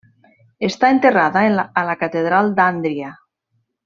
Està enterrada a la catedral d'Àndria.